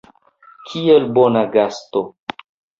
Kiel bona gasto.